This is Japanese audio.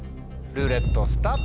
ルーレットスタート。